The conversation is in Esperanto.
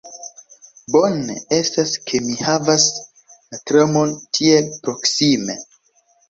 Bone estas ke mi havas la tramon tiel proksime.